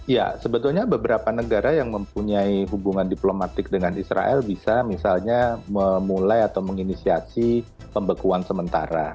ya sebetulnya beberapa negara yang mempunyai hubungan diplomatik dengan israel bisa misalnya memulai atau menginisiasi pembekuan sementara